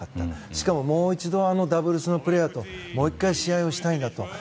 しかも、もう一度あのダブルスのプレーヤーともう１回、試合をしたいんだと。